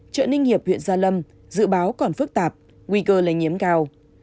chợ ninh hiệp huyện gia lâm dự báo còn phức tạp nguy cơ lây nhiễm cao